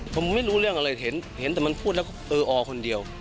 ผมไม่รู้เรื่องอะไรเห็นแต่มันพูดแล้วก็เอออคนเดียว